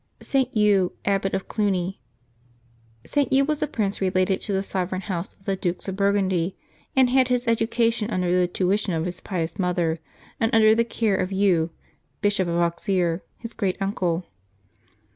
ST. HUGH, Abbot of Cluny. [t, Hugh was a prince related to the sovereign house of the dukes of Burgundy, and had his education under the tuition of his pious mother, and under the care of Hugh, Bishop of Auxerre, his great uncle.